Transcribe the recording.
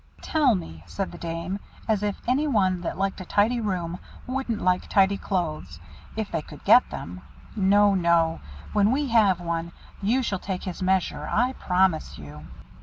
"Tell me!" said the dame, "as if any one that liked a tidy room wouldn't like tidy clothes, if they could get them. No! no! when we have one, you shall take his measure, I promise you."